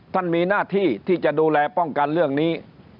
มีหน้าที่ที่จะดูแลป้องกันเรื่องนี้